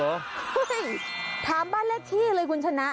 เห้ยถามบ้านเลี่ยนที่เลยคุณชนะ